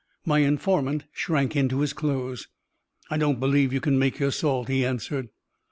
My informant shrank into his clothes. "I don't believe you can make your salt," he answered.